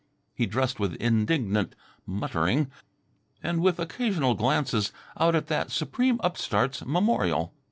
He dressed with indignant muttering, and with occasional glances out at that supreme upstart's memorial.